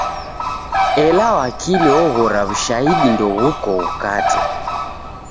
Ela wakili oghora w'ushahidi ndoghuko ghukate.